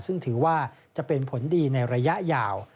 ซึ่งถือว่าจะเป็นผลดีในระยะยาว